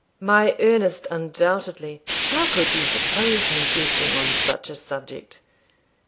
'My earnest, undoubtedly. How could you suppose me jesting on such a subject?'